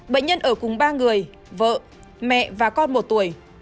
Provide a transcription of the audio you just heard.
bệnh nhân ở cùng ba người vợ mẹ và con một tuổi